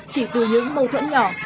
chỉ từ những mâu thuẫn nhỏ